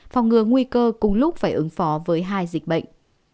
phòng ngừa nguy cơ cùng lúc phải ứng phó với hai dịch bệnh